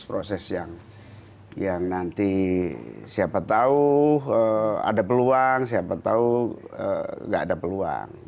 proses yang nanti siapa tahu ada peluang siapa tahu nggak ada peluang